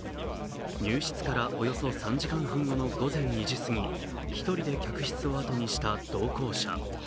入室からおよそ３時間半後の午前２時すぎ１人で客室をあとにした同行者。